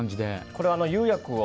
これは、釉薬を。